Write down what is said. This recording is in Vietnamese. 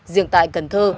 riêng tại cần thơ